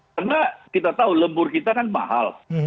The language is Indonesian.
karena kita tahu lembur kita kan mahal